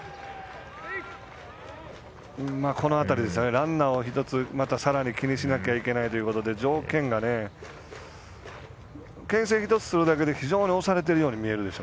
ランナーを１つさらに気にしなきゃいけないということで条件がけん制１つするだけで押されているように見えるでしょ。